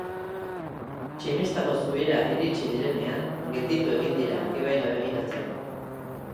Tximistako zubira iritsi direnean, gelditu egin dira ibaira begiratzeko.